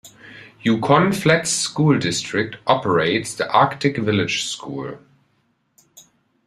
Yukon Flats School District operates the Arctic Village School.